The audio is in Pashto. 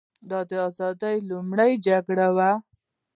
دا د ازادۍ لومړۍ جګړه وه.